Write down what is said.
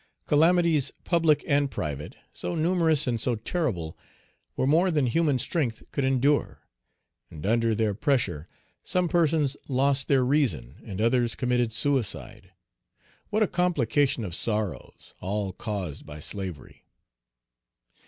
Calamities, public and private, so numerous and so terrible, were more than human strength could endure, and under their pressure, some persons lost their reason and others committed suicide. What a complication of sorrows, all caused by slavery.